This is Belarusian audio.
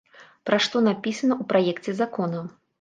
Пра што напісана ў праекце закона?